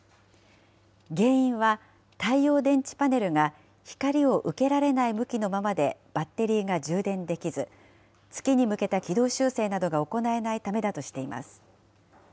原因は、太陽電池パネルが光を受けられない向きのままでバッテリーが充電できず、月に向けた軌道修正などが行えないためだとしています。